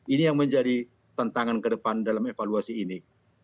ini yang menjadi tantangan ke depan dalam evaluasi ini